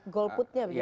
goal putnya begitu ya